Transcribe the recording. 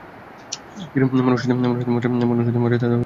মনুষ্যত্বের মর্যাদা তো রাখিতে হইবে।